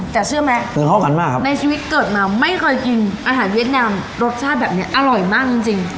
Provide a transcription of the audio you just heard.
แต่เชื่อไหมในชีวิตเกิดมาไม่เคยกินอาหารเวียดแนมอร่อยมากจริง